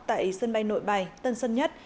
tại sân bay nội bài tân sơn nhất